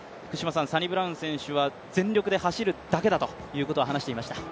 サニブラウン選手は全力で走るだけだということを話していました。